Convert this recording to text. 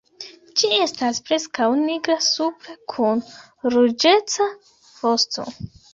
Ĝi estas preskaŭ nigra supre kun ruĝeca vosto.